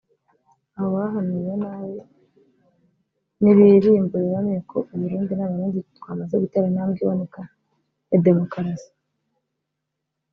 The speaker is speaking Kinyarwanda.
Abo bahanuwe nabi nibirimbure bamenye ko Uburundi n'Abarundi twamaze gutera intambwe iboneka ya demokarasi